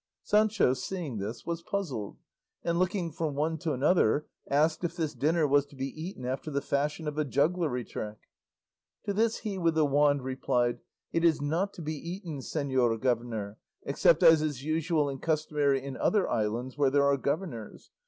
Sancho seeing this was puzzled, and looking from one to another asked if this dinner was to be eaten after the fashion of a jugglery trick. To this he with the wand replied, "It is not to be eaten, señor governor, except as is usual and customary in other islands where there are governors.